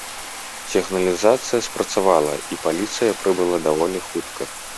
Сігналізацыя спрацавала, і паліцыя прыбыла даволі хутка.